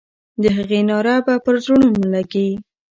د هغې ناره به پر زړونو لګي.